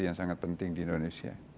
yang sangat penting di indonesia